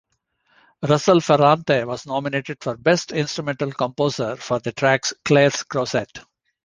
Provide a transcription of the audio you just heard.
Russell Ferrante was nominated for Best Instrumental Composer for the track Claire's Closet.